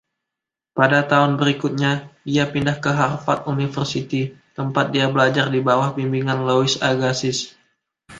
Pada tahun berikutnya, dia pindah ke Harvard University, tempat dia belajar di bawah bimbingan Louis Agassiz.